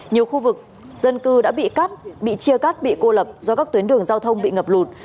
nhiều khu vực dân cư đã bị cắt bị chia cắt bị cô lập do các tuyến đường giao thông bị ngập lụt